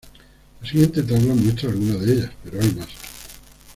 La siguiente tabla muestra algunas de ellas, pero hay más.